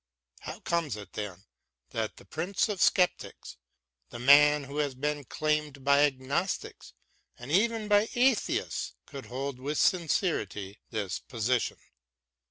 How comes it then that the prince of sceptics, the man who has been claimed by agnostics, and even by atheists, could hold with sincerity this position